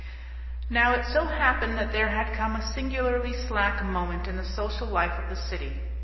Now it so happened that there had come a singularly slack moment in the social life of the City.